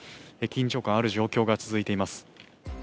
緊張感ある状況が続いています。